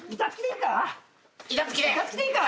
板付きでいいか？